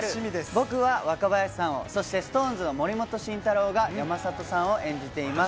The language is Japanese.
僕は若林さんを、そしてＳｉｘＴＯＮＥＳの森本慎太郎が山里さんを演じています。